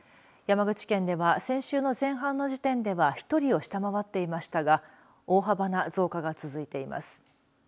山口県では先週の前半の時点では１人を下回っていましたが大幅な増加が続いています。